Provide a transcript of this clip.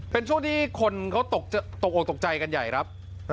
เป็นช่วงที่คนเขาตกออกตกใจกันใหญ่ครับ